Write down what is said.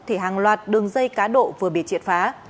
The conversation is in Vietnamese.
thì hàng loạt đường dây cá độ vừa bị triệt phá